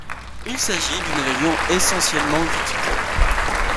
Il s'agit d'une région essentiellement viticole.